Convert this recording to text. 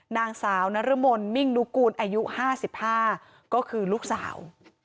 นางสาวนรมนมิ่งนุกูลอายุ๕๕ก็คือลูกสาว